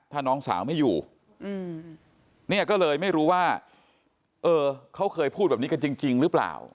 ถ้าน้องสาวไม่อยู่เนี่ยก็เลยไม่รู้ว่าเออเขาเคยพูดแบบนี้กันจริงหรือเปล่า